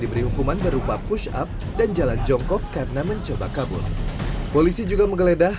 diberi hukuman berupa push up dan jalan jongkok karena mencoba kabur polisi juga menggeledah